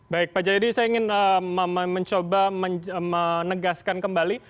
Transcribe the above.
baik pak jayadi saya ingin mencoba menegaskan kembali